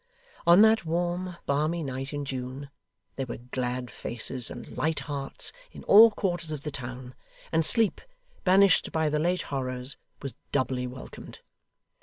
On that warm, balmy night in June, there were glad faces and light hearts in all quarters of the town, and sleep, banished by the late horrors, was doubly welcomed.